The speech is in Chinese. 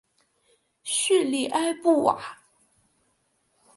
叙里埃布瓦。